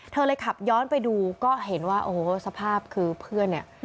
เธอเลยขับย้อนไปดูก็เห็นว่าโอ้โหสภาพคือเพื่อนเนี่ย